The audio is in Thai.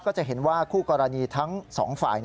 จะเห็นว่าคู่กรณีทั้งสองฝ่าย